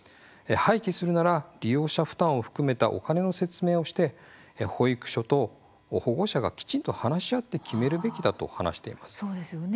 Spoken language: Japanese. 廃棄するなら利用者負担を含めたお金の説明をして保育所と保護者がきちんと話し合って決めるべきだと話しています。